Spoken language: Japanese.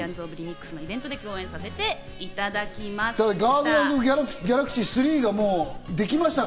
『ガーディアンズ：リミックス』のイベントで共演させていただきました。